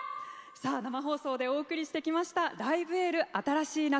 生放送でお送りしてきました「ライブ・エール新しい夏」